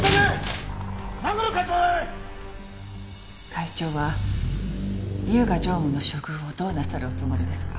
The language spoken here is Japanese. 会長は龍河常務の処遇をどうなさるおつもりですか？